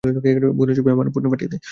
বোনের ছবি আমার ফোনে পাঠিয়ে দে।